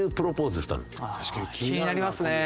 気になりますね。